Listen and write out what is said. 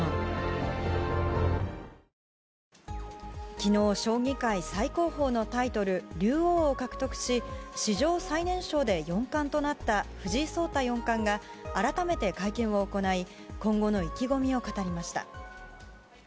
昨日、将棋界最高峰のタイトル竜王を獲得し史上最年少で四冠となった藤井聡太四冠が改めて会見を行い今後の意気込みを語りました。